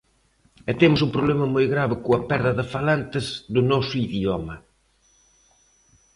E temos un problema moi grave coa perda de falantes do noso idioma.